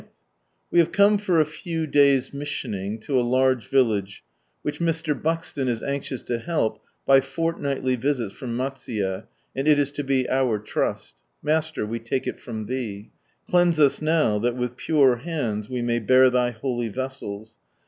— We have come for a few days' missioning, to a large village, which Mr. Buxton is anxious to help by fortnightly visits from Matsuye, and it is to be our Trust Master, we take it from Thee. Cleanse us now, that with pure hands we may bear Thy holy vessels.